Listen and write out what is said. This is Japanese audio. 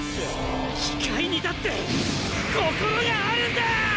機械にだって心があるんだ‼